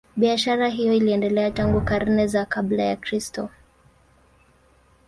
Biashara hiyo iliendelea tangu karne za kabla ya Kristo.